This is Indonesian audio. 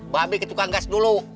babi ketukang gas dulu